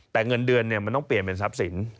แต่เงินเดือนมันต้องเปลี่ยนเป็นทรัพย์สิน